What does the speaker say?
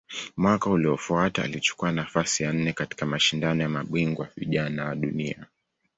Mwaka uliofuata alichukua nafasi ya nne katika Mashindano ya Mabingwa Vijana wa Dunia.